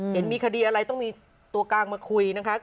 เห็นมีคดีอะไรต้องมีตัวกลางมาคุยนะคะ